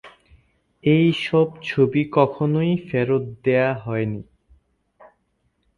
এই সব ছবি কখনই ফেরত দেয়া হয়নি।